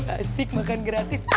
asik makan gratis